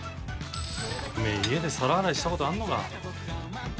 おめえ家で皿洗いしたことあんのか？